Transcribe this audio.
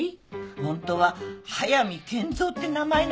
ホントは速見健三って名前なんじゃないの？